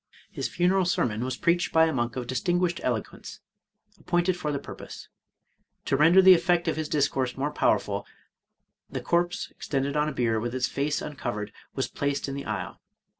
His funeral sermon was preached by a monk of distinguished eloquence, appointed for the purpose. To render the effect of his discourse more power ful, the corse, extended on a bier, with its face uncovered, was placed in the aisle.